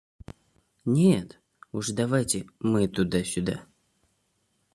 Нет, уж давайте мы туда-сюда.